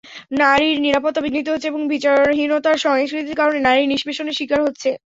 নারীর নিরাপত্তা বিঘ্নিত হচ্ছে এবং বিচারহীনতার সংস্কৃতির কারণে নারী নিষ্পেষণের শিকার হচ্ছে।